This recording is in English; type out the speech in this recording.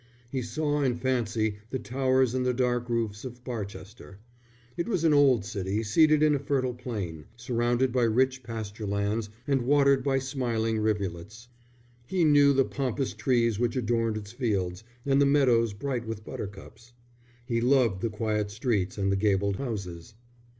He saw in fancy the towers and the dark roofs of Barchester. It was an old city seated in a fertile plain, surrounded by rich pasture lands and watered by smiling rivulets. He knew the pompous trees which adorned its fields and the meadows bright with buttercups. He loved the quiet streets and the gabled houses.